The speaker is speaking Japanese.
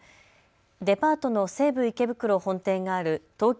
デパートの西武池袋本店がある東京